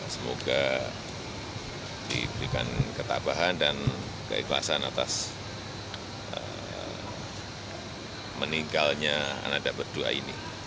semoga diberikan ketabahan dan keikhlasan atas meninggalnya ananda berdua ini